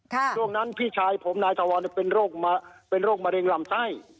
ช่วงนั้นพี่ชายผมนายทวรเป็นโรคมะเร็งลำไส้